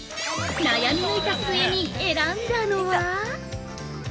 悩み抜いた末に選んだのは？